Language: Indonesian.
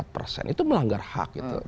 empat persen itu melanggar hak